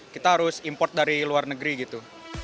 kita harus import dari luar negeri gitu